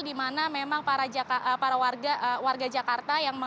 di mana memang para warga jakarta